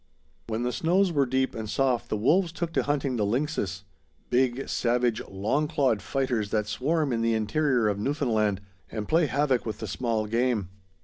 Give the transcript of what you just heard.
When the snows were deep and soft the wolves took to hunting the lynxes, big, savage, long clawed fighters that swarm in the interior of Newfoundland and play havoc with the small game.